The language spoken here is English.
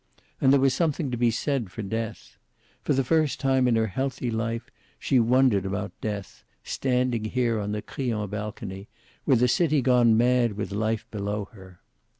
And there was something to be said for death. For the first time in her healthy life she wondered about death, standing here on the Crillon balcony, with the city gone mad with life below her.